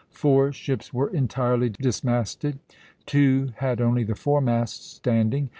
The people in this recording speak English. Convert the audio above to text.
Four ships were entirely dismasted, two had only the foremast standing."